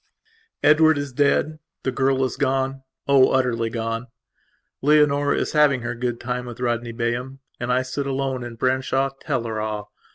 . Edward is dead; the girl is goneoh, utterly gone; Leonora is having a good time with Rodney Bayham, and I sit alone in Branshaw Teleragh.